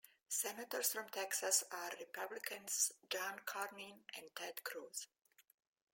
Senators from Texas are Republicans John Cornyn and Ted Cruz.